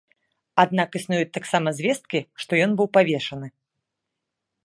Аднак існуюць таксама звесткі, што ён быў павешаны.